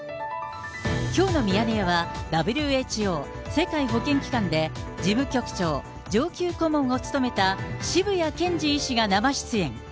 きょうのミヤネ屋は、ＷＨＯ・世界保健機関で、事務局長、上級顧問を務めた渋谷健司医師が生出演。